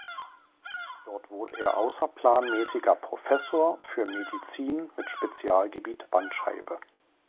Dort wurde er außerplanmäßiger Professor für Medizin mit Spezialgebiet Bandscheibe.